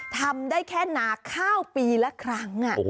ทำได้แค่นาข้าวปีละครั้ง